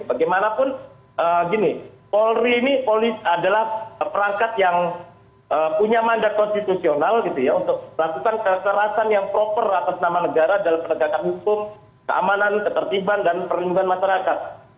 bagaimanapun gini polri ini polri adalah perangkat yang punya mandat konstitusional gitu ya untuk melakukan kekerasan yang proper atas nama negara dalam penegakan hukum keamanan ketertiban dan perlindungan masyarakat